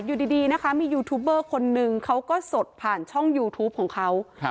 อยู่ดีดีนะคะมียูทูบเบอร์คนนึงเขาก็สดผ่านช่องยูทูปของเขา